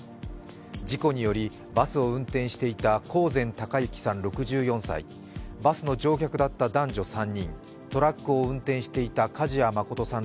事故によりバスを運転していた興膳孝幸さん６４歳、バスの乗客だった男女３人、トラックを運転していた梶谷誠さん